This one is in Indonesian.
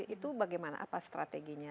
itu bagaimana apa strateginya